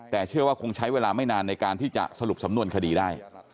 แต่เชื่อว่าคงใช้เวลาไม่นานในการที่จะสรุปสำนวนคดีได้